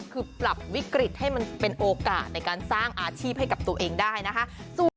คือปรับวิกฤตให้มันเป็นโอกาสในการสร้างอาชีพให้กับตัวเองได้นะคะ